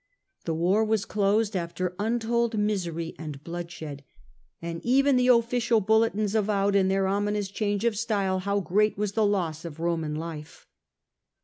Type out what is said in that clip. The war was closed after untold misery and bloodshed, and even the official bulletins avowed in their ominous change of style how great was the loss of Roman life.